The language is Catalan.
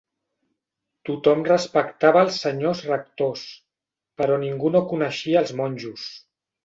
Tothom respectava els senyors rectors, però ningú no coneixia els monjos.